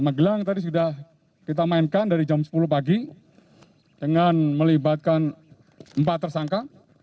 magelang tadi sudah kita mainkan dari jam sepuluh pagi dengan melibatkan empat tersangka